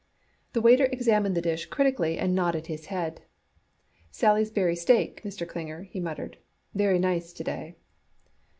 The waiter examined the dish critically and nodded his head. "Sally's bury steak, Mr. Klinger," he murmured. "Very nice to day."